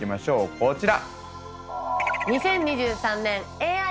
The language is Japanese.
こちら。